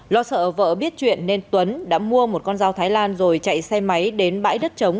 lo sợ vợ biết chuyện nên tuấn đã mua một con dao thái lan rồi chạy xe máy đến bãi đất trống